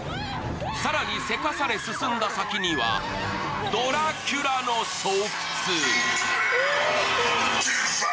更にせかされ、進んだ先にはドラキュラの巣窟。